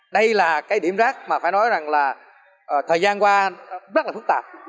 đây là cái điểm rác mà phải nói rằng là thời gian qua rất là phức tạp